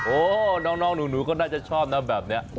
น้องหนูก็น่าจะชอบนะแบบนี้